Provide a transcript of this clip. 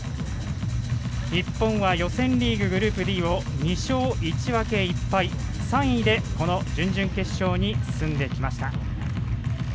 日本は予選リーググループＤを２勝１分１敗３位でこの準々決勝に進んできました。